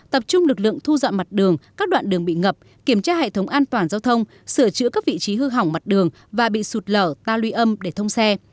tập trung lực lượng thu dọn mặt đường các đoạn đường bị ngập kiểm tra hệ thống an toàn giao thông sửa chữa các vị trí hư hỏng mặt đường và bị sụt lở ta luy âm để thông xe